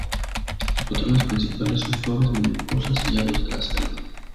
Los patrones principales son flores, mariposas y aves de la selva.